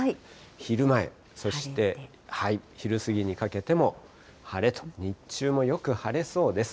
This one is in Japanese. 昼前、そして昼過ぎにかけても晴れと、日中もよく晴れそうです。